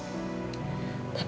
ibu akan dihukum